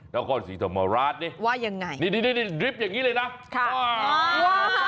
นกรสิธรรมราชเนี่ยนี่ดริปอย่างนี้เลยนะว้าวว้าว